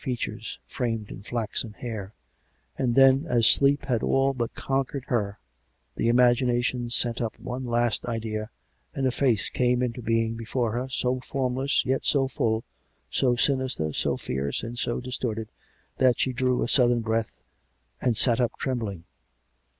features, framed in flaxen hair; and then, as sleep had all but conquered her, the imagination sent up one last idea, and a face came into being before her, so formless yet so full, so sinister, so fierce and so distorted, that she drew a sudden breath and sat up, trembling.